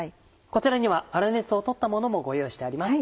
こちらには粗熱を取ったものもご用意してあります。